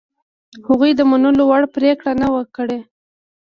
هغوی د منلو وړ پرېکړه ونه کړه.